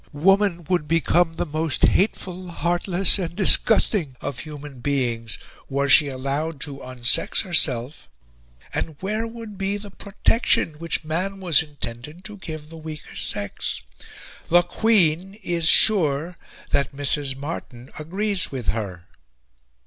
Woman would become the most hateful, heartless, and disgusting of human beings were she allowed to unsex herself; and where would be the protection which man was intended to give the weaker sex? The Queen is sure that Mrs. Martin agrees with her."